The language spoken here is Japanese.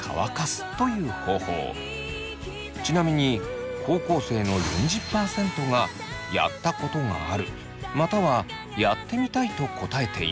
ちなみに高校生の４０％がやったことがあるまたはやってみたいと答えています。